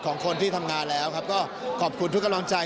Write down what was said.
ของคนที่ทำงานแล้วครับก็ขอบคุณทุกกำลังใจ